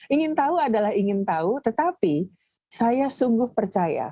ingin tahu adalah ingin tahu tetapi saya sungguh percaya